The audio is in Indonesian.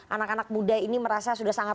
anak anak muda ini merasa sudah sangat